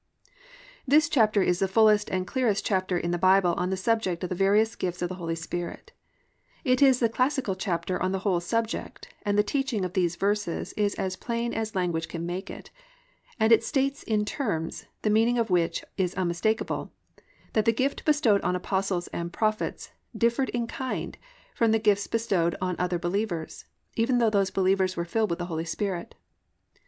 +" This chapter is the fullest and clearest chapter in the Bible on the subject of the various gifts of the Holy Spirit. It is the classical chapter on the whole subject, and the teaching of these verses is as plain as language can make it, and it states in terms, the meaning of which is unmistakable, that the gift bestowed on apostles and prophets differed in kind from the gifts bestowed on other believers, even though those believers were filled with the Holy Spirit.